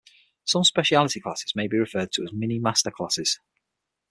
Some speciality classes may be referred to as 'mini master classes'.